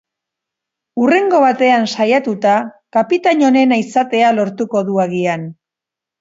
Hurrengo batean saiatuta kapitain onena izatea lortuko du agian.